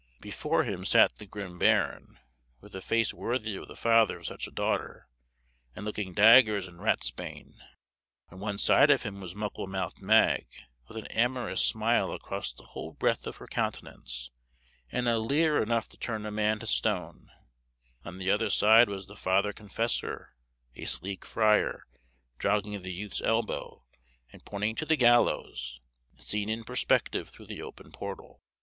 Before him sat the grim baron, with a face worthy of the father of such a daughter, and looking daggers and ratsbane. On one side of him was Muckle mouthed Mag, with an amorous smile across the whole breadth of her countenance, and a leer enough to turn a man to stone; on the other side was the father confessor, a sleek friar, jogging the youth's elbow, and pointing to the gallows, seen in perspective through the open portal.